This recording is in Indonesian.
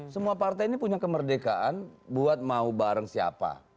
semua partai ini punya kemerdekaan buat mau bareng siapa